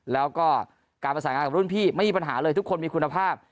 แล้วก็การประสานงานกับรุ่นพี่ไม่มีปัญหาเลยทุกคนมีคุณภาพ